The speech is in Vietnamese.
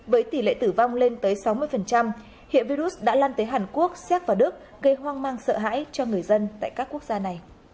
với tỷ lệ tử vong lên tới sáu mươi hiện virus đã lan tới hàn quốc xét và đức gây hoang mang sợ hãi cho người dân tại các quốc gia này